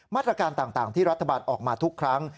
มาตรการต่างที่รัฐบาลออกมาทุกครั้ง